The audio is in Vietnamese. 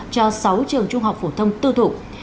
cho sáu trường trung học phổ thông tư thụ